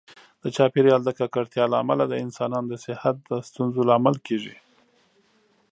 د چاپیریال د ککړتیا له امله د انسانانو د صحت د ستونزو لامل کېږي.